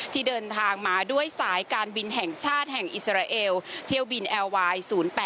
ที่เดินทางมาด้วยสายการบินแห่งชาติแห่งอิสราเอลเที่ยวบินแอร์ไวน์๐๘